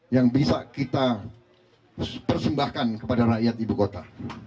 yang bisa kita persembahkan kepada rakyat ibu kota